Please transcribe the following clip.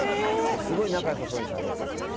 すごい仲よさそうにしゃべってて。